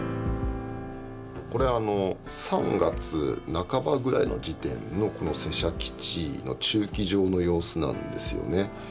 これ３月半ばぐらいの時点のこのセシャ基地の駐機場の様子なんですよね。